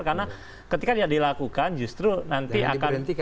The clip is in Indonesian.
karena ketika ya dilakukan justru nanti akan